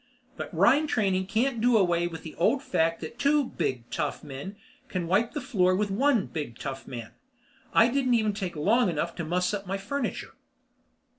But Rhine training can't do away with the old fact that two big tough men can wipe the floor with one big tough man. I didn't even take long enough to muss up my furniture.